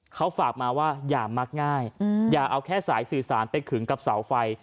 เขาฝากมาว่าอย่ามักง่ายอย่าเอาแค่สายสื่อสารไปขึงกับเสาไฟ